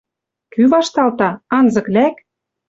Кӱ вашталта? Анзык лӓк!..